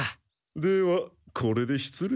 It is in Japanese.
ではこれで失礼。